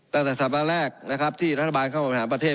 ตั้งแต่สัปดาห์แรกนะครับที่รัฐบาลเข้าบริหารประเทศ